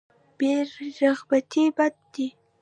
بې رغبتي بد دی.